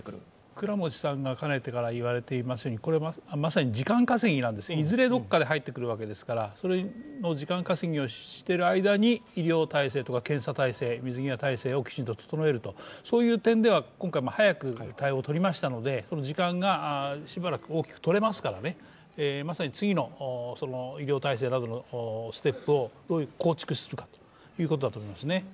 倉持さんがかねてから言われていますように、これはまさに時間稼ぎなんですね、いずれどこかから入ってくるわけですから、時間稼ぎをしている間に医療体制とか検査体制、水際体制をきちんと整えるという点では、今回も早く対応をとりましたので、時間がしばらく大きくとれますからまさに次の医療体制などのステップを構築していくということだと思いますね。